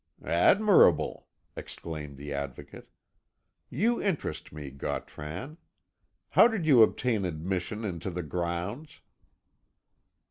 "Admirable!" exclaimed the Advocate. "You interest me, Gautran. How did you obtain admission into the grounds?"